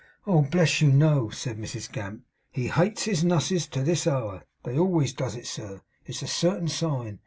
'Oh bless you, no!' said Mrs Gamp. 'He hates his nusses to this hour. They always does it, sir. It's a certain sign.